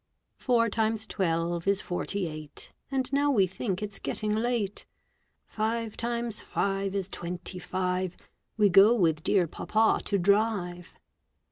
Four times twelve is forty eight, And now we think it's getting late. Five times five is twenty five. We go with dear Papa to drive.